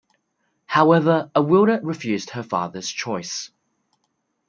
However, Awilda refused her father's choice.